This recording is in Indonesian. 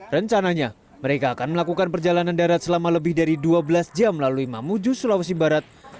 rencananya mereka akan melakukan perjalanan darat selama lebih dari dua belas jam melalui mamuju sulawesi barat